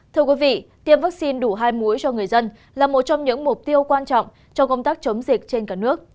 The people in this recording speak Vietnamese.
thưa quý vị tiêm vaccine đủ hai muối cho người dân là một trong những mục tiêu quan trọng cho công tác chống dịch trên cả nước